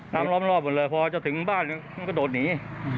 น้ำล้อมรอบหมดเลยพอจะถึงบ้านนี่มันก็โดดหนี